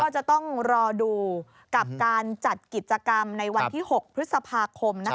จะต้องรอดูกับการจัดกิจกรรมในวันที่๖พฤษภาคม